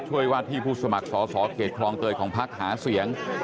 ว่าที่ผู้สมัครสอสอเขตคลองเตยของพักหาเสียง